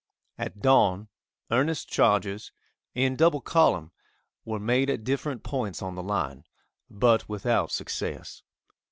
At dawn earnest charges, in double column, were made at different points on the line, but without success.